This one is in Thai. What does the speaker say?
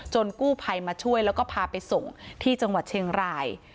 กู้ภัยมาช่วยแล้วก็พาไปส่งที่จังหวัดเชียงราย